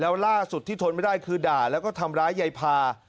แล้วล่าสุดที่ทนไม่ได้คือด่าแล้วก็ทำร้ายยายพา